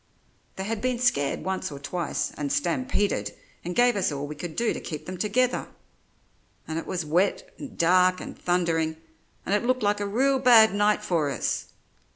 "They had been scared once or twice, and stampeded and gave us all we could do to keep them together; and it was wet and dark and thundering, and it looked like a real bad night for us.